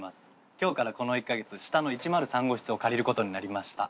今日からこの１カ月下の１０３号室を借りる事になりました。